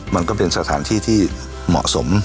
มันก็เป็นสถานที่ที่เหมาะสม